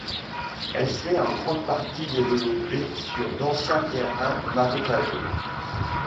Elle s'est en grande partie développée sur d'anciens terrains marécageux.